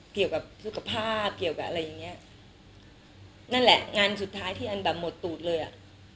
เกี่ยวกับสุขภาพเกี่ยวกับอะไรอย่างเงี้ยนั่นแหละงานสุดท้ายที่อันแบบหมดตูดเลยอ่ะ